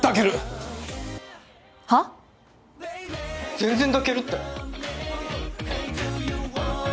全然抱けるって。